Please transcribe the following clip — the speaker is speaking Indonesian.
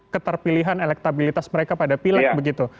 keterpilihan elektabilitas mereka pada pilek begitu